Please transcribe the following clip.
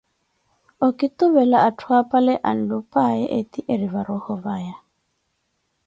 okituvela atthu apale anlupayee ethi eri va roho vaya.